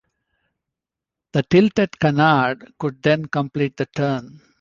The tilted canard could then complete the turn.